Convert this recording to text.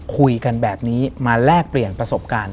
คุยกันแบบนี้มาแลกเปลี่ยนประสบการณ์